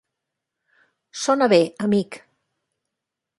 Sona bé, amic.